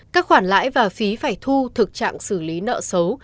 các khoản lãi và phí phải thu thực trạng xử lý nợ xấu